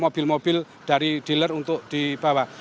mobil mobil dari dealer untuk dibawa